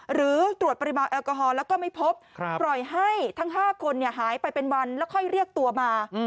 หรือตรวจปริมาณแอลกอฮอลแล้วก็ไม่พบปล่อยให้ทั้ง๕คนหายไปเป็นวันแล้วค่อยเรียกตัวมา